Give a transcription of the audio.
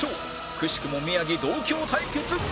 くしくも宮城同郷対決